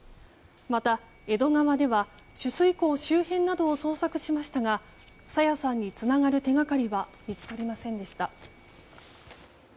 また江戸川では取水口周辺などを捜索しましたが朝芽さんにつながる手掛かりは見つかりませんでした。